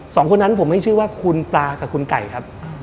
สองคนนั้นผมให้ชื่อว่าคุณปลากับคุณไก่ครับ